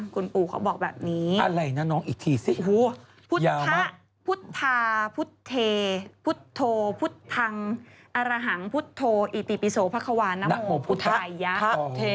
คุณปู่เขาบอกแบบนี้อะไรนะน้องอีกทีสิพุทธพุทธาพุทธเทพุทธโธพุทธังอรหังพุทธโธอิติปิโสพระควานโมพุทธายะ